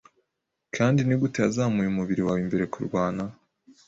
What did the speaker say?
Kandi nigute yazamuye umubiri wawe imbere kurwana